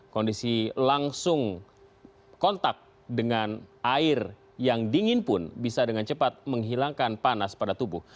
kondisi langsung kontak dengan air yang dingin pun bisa dengan cepat menghilangkan panas pada tubuh